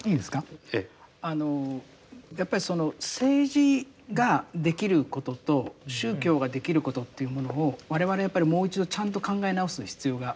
やっぱりその政治ができることと宗教ができることというものを我々やっぱりもう一度ちゃんと考え直す必要があるんだと思うんですよね。